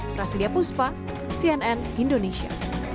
prasidya puspa cnn indonesia